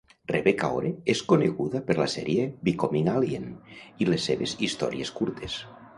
Rebecca Ore és coneguda per la sèrie Becoming Alien i les seves històries curtes.